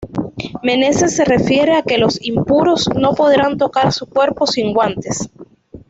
Menezes se refiere a que los "impuros" no podrán tocar su cuerpo "sin guantes".